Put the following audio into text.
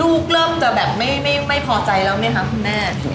ลูกร่วมจะไม่พอใจแล้วไหมคะคุณแม่